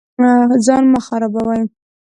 ځان مه خرابوئ